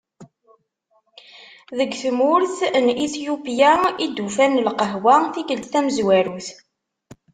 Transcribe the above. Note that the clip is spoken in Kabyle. Deg tmurt n Ityupya i d-ufan lqahwa tikkelt tamezwarut.